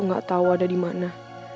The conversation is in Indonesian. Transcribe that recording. nggak tau ada dimana